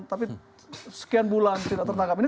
tidak tertangkap sekian bulan